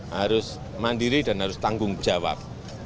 harus mandiri dan harus tanggung jawab